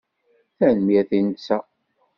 Tanemmirt i netta.